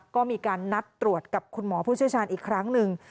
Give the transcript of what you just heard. ก็มีการนัดตรวจกับคุณหมอผู้เชี่ยวชาญอีกครั้งหนึ่ง